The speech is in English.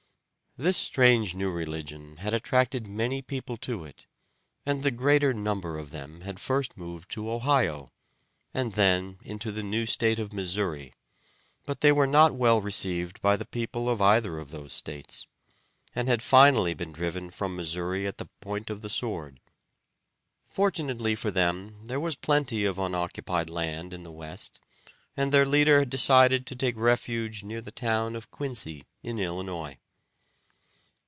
This strange new religion had attracted many people to it, and the greater number of them had first moved to Ohio, and then into the new state of Missouri, but they were not well received by the people of either of those states, and had finally been driven from Missouri at the point of the sword. Fortunately for them there was plenty of unoccupied land in the West, and their leader decided to take refuge near the town of Quincy in Illinois.